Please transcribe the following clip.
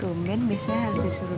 rumah ini biasanya harus disuruh